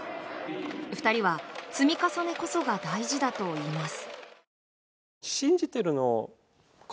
２人は、積み重ねこそが大事だといいます。